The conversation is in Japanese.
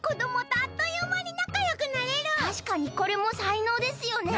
たしかにこれもさいのうですよね。